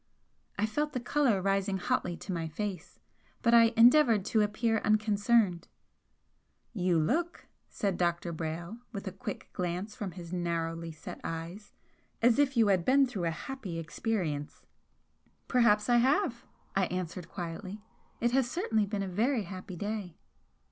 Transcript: I felt the colour rising hotly to my face, but I endeavoured to appear unconcerned. "You look," said Dr. Brayle, with a quick glance from his narrowly set eyes "as if you had been through a happy experience." "Perhaps I have!" I answered quietly "It has certainly been a very happy day!"